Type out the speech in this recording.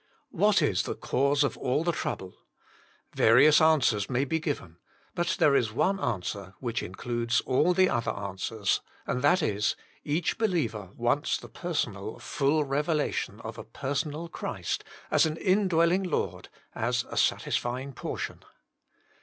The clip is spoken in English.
What is the cause of all the trouble ? Various answers may be given, but there is one answer which includes all the other answers, and that is, each be liever wants the personal .» p Jesus Himself, 27 full revelation of a personal Cbtist as an indwelling Lord, as a satisfying portion.